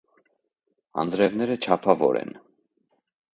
Անձրեւները չափաւոր են։